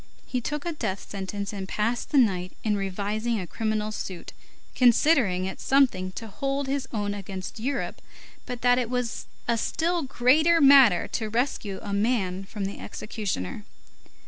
He took a death sentence and passed the night in revising a criminal suit, considering it something to hold his own against Europe, but that it was a still greater matter to rescue a man from the executioner.